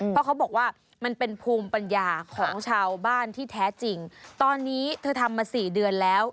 เพราะเขาบอกว่ามันเป็นภูมิปัญญาของชาวบ้านที่แท้จริงตอนนี้เธอทำมาสี่เดือนแล้ว